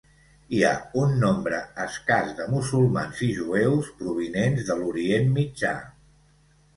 Hi ha un nombre escàs de musulmans i jueus provinents de l'Orient Mitjà.